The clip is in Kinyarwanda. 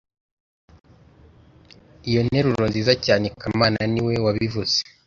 Iyo nteruro nziza cyane kamana niwe wabivuze